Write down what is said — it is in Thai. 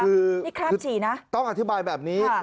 คือนี่คราบฉี่นะต้องอธิบายแบบนี้